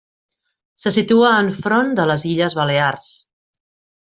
Se situa enfront de les Illes Balears.